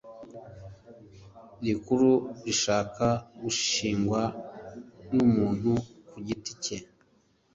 rikuru rishaka gushingwa n umuntu ku giti cye